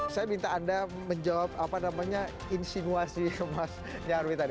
saya minta anda menjawab apa namanya insinuasi mas nyarwi tadi